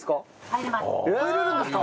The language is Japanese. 入れるんですか？